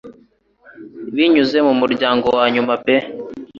Binyuze mu muryango wanyuma pe